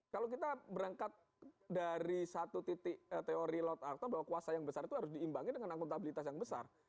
kalau kita berangkat dari satu titik teori laut aktor bahwa kuasa yang besar itu harus diimbangi dengan akuntabilitas yang besar